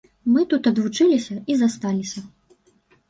Мы тут адвучыліся і засталіся.